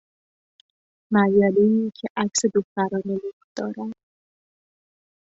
مجلهای که عکس دختران لخت دارد